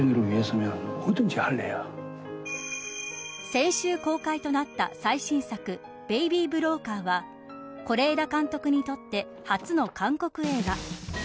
先週公開となった最新作ベイビー・ブローカーは是枝監督にとって初の韓国映画。